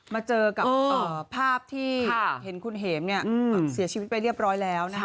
มาเจอกับภาพที่เห็นคุณเห็มเสียชีวิตไปเรียบร้อยแล้วนะคะ